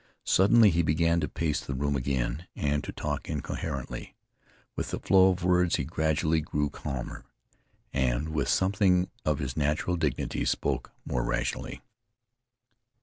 Suddenly he began to pace the room again, and to talk incoherently. With the flow of words he gradually grew calmer, and, with something of his natural dignity, spoke more rationally.